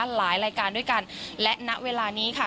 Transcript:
หลายรายการด้วยกันและณเวลานี้ค่ะ